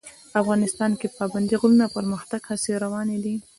افغانستان کې د پابندي غرونو د پرمختګ هڅې روانې دي.